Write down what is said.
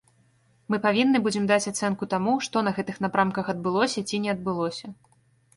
Мы павінны будзем даць ацэнку таму, што на гэтых напрамках адбылося ці не адбылося.